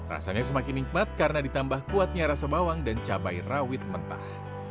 rasanya semakin nikmat karena ditambah kuatnya rasa bawang dan cabai rawit mentah